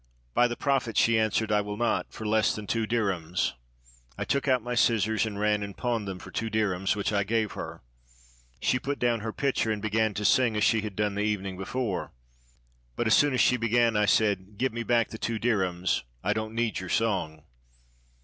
"By the prophet," she answered, "I will not for less than two dirhems." "' I took out my scissors and ran and pawned them for two dirhems, which I gave her. She put down her pitcher, and began to sing as she had done the evening before; but as soon as she began, I said: " Give me back the two dirhems; I don't need your song."